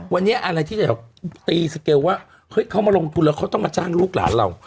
วันนี้อะไรที่จะตีสเกลว่าเฮ้ยเขามาลงทุนแล้วเขาต้องมาจ้างลูกหลานเรา